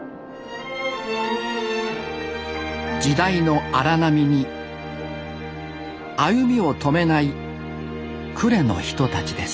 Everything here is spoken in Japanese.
時代の荒波に歩みを止めない呉の人たちです